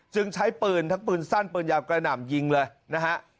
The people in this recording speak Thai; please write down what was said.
ใช้ปืนทั้งปืนสั้นปืนยาวกระหน่ำยิงเลยนะฮะ